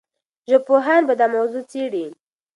ژبپوهان به دا موضوع څېړي.